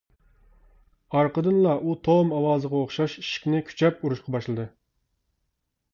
ئارقىدىنلا ئۇ توم ئاۋازىغا ئوخشاش ئىشىكنى كۈچەپ ئۇرۇشقا باشلىدى.